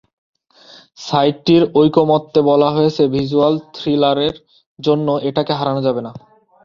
সাইটটির ঐকমত্যে বলা হয়েছে, ভিজ্যুয়াল থ্রিলারের জন্য, এটাকে হারানো যাবে না।